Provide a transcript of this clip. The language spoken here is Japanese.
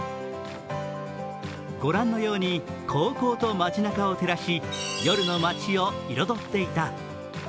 御覧のようにこうこうと街なかを照らし夜の街を彩っていた。